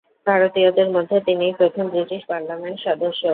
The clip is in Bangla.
ভারতীয়দের মধ্যে তিনিই প্রথম ব্রিটিশ পার্লামেন্টের সদস্য।